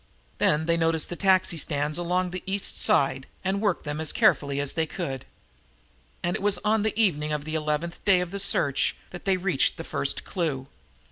Then they noticed the taxi stands along the East Side and worked them as carefully as they could, and it was on the evening of the eleventh day of the search that they reached the first clue.